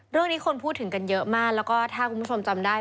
เรื่องนี้คนพูดถึงกันเยอะมากแล้วก็ถ้าคุณผู้ชมจำได้